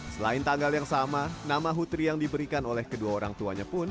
selain tanggal yang sama nama hutri yang diberikan oleh kedua orang tuanya pun